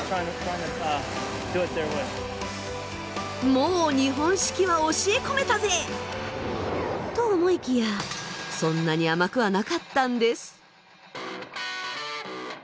もう日本式は教え込めたぜ！と思いきやそんなに甘くはなかったんです。